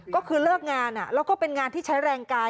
ก็คือเลิกงานแล้วก็เป็นงานที่ใช้แรงกาย